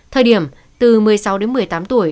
thời điểm từ một mươi sáu đến một mươi tám tuổi